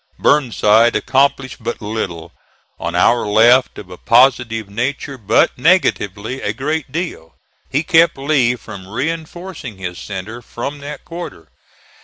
Burnside accomplished but little on our left of a positive nature, but negatively a great deal. He kept Lee from reinforcing his centre from that quarter.